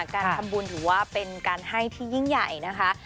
การทำบุญถือว่าเป็นการให้ที่ยิ่งใหญ่นะคะ